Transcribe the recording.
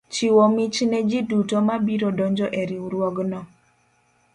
Chiwo mich ne ji duto ma biro donjo e riwruogno.